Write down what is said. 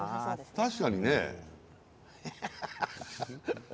確かにね。